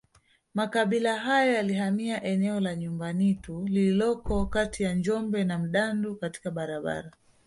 Makabila hayo yalihamia eneo la Nyumbanitu lililoko kati ya Njombe na Mdandu katika barabara